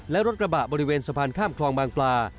และรถกระบะบริเวณสะพานข้ามคลองบางปลา